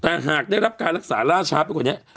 แต่หากได้รับการรักษาล่าช้าไปกว่านี้